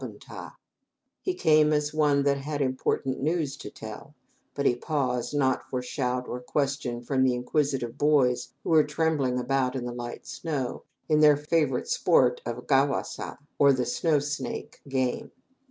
He came as one that had important news to tell, but he paused not for shout or question from the inquisitive boys who were tumbling about in the light snow, in their favorite sport of Ga wa sa or the "snow snake" game.